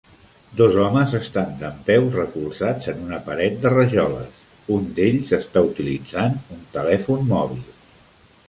Dos homes estan dempeus recolzats en una paret de rajoles, un d'ells està utilitzant un telèfon mòbil.